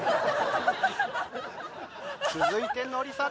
続いてノリさん。